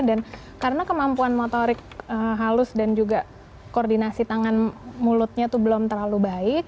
dan karena kemampuan motorik halus dan juga koordinasi tangan mulutnya tuh belum terlalu baik